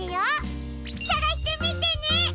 さがしてみてね！